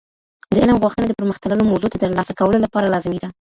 د علم غوښتنه د پرمختللو موزو د ترلاسه کولو لپاره لازمي ده.